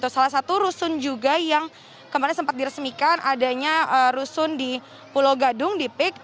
salah satu rusun juga yang kemarin sempat diresmikan adanya rusun di pulau gadung di pik